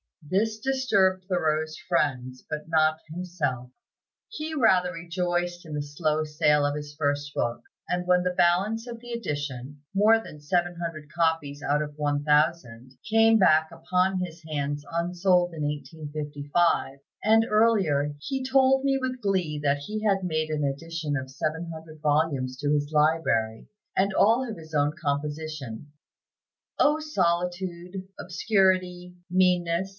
This disturbed Thoreau's friends, but not himself; he rather rejoiced in the slow sale of his first book; and when the balance of the edition, more than seven hundred copies out of one thousand, came back upon his hands unsold in 1855, and earlier, he told me with glee that he had made an addition of seven hundred volumes to his library, and all of his own composition. "O solitude, obscurity, meanness!"